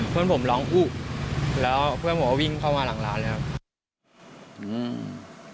เพื่อนผมร้องอู้แล้วเพื่อนผมก็วิ่งเข้ามาหลังร้านเลยครับอืม